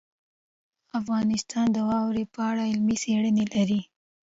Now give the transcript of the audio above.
افغانستان د واوره په اړه علمي څېړنې لري.